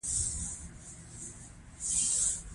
که کور محبت ولري، هر څه لري.